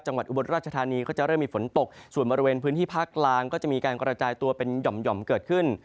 อุบลราชธานีก็จะเริ่มมีฝนตกส่วนบริเวณพื้นที่ภาคกลางก็จะมีการกระจายตัวเป็นหย่อมเกิดขึ้น